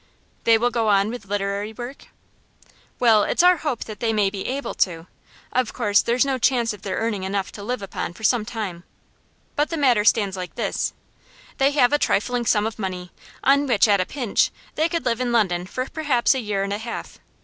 'They will go on with literary work?' 'Well, it's our hope that they may be able to. Of course there's no chance of their earning enough to live upon for some time. But the matter stands like this. They have a trifling sum of money, on which, at a pinch, they could live in London for perhaps a year and a half.